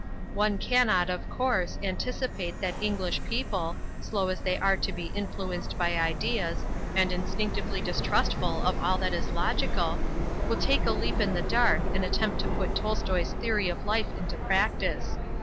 One cannot of course anticipate that English people, slow as they are to be influenced by ideas, and instinctively distrustful of all that is logical, will take a leap in the dark and attempt to put Tolstoi's theory of life into practice.